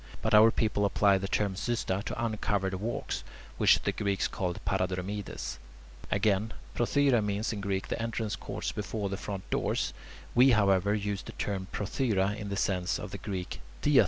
But our people apply the term "xysta" to uncovered walks, which the Greeks call [Greek: paradromides]. Again, [Greek: prothyra] means in Greek the entrance courts before the front doors; we, however, use the term "prothyra" in the sense of the Greek [Greek: diathyra].